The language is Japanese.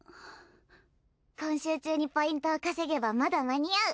今週中にポイントを稼げばまだ間に合う！